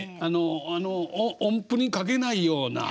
音符に書けないような和音の。